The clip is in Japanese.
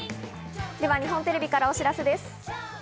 日本テレビからお知らせです。